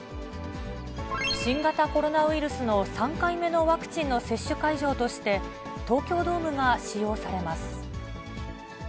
新型コロナウイルスの３回目のワクチンの接種会場として、東京ドームが使用されます。